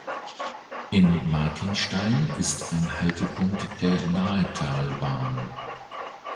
In Martinstein ist ein Haltepunkt der Nahetalbahn.